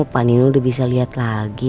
tapi yang baik udah bisa lihat aku lagi